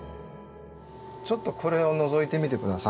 ちょっとこれをのぞいてみて下さい。